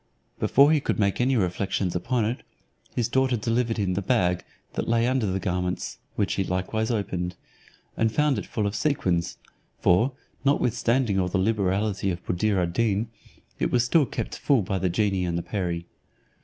Before he could make any reflections upon it, his daughter delivered him the bag, that lay under the garments, which he likewise opened, and found it full of sequins: for, notwithstanding all the liberality of Buddir ad Deen, it was still kept full by the genie and perie.